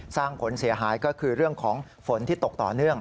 สร้างผลเสียหายก็คือเรื่องของฝนที่ตกต่อเนื่อง